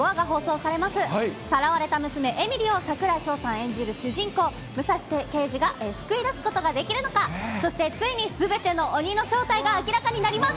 さらわれた娘、えみりを櫻井翔さん演じる主人公、武蔵刑事が救い出すことができるのか、そしてついにすべての鬼の正体が明らかになります。